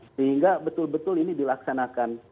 sehingga betul betul ini dilaksanakan